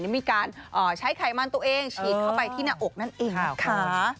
มีการใช้ไขมันตัวเองฉีดเข้าไปที่หน้าอกนั่นเองนะคะ